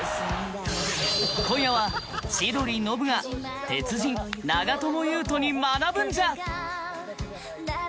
今夜は千鳥ノブが鉄人長友佑都に学ぶんじゃ！